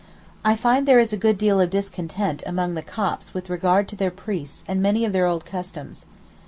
I find there is a good deal of discontent among the Copts with regard to their priests and many of their old customs.